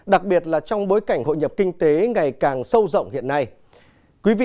đặc biệt là trong bối cảnh hội nhập kinh tế ngày càng sâu rộng hiện nay